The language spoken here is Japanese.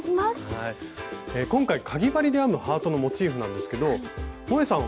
今回かぎ針で編むハートのモチーフなんですけどもえさん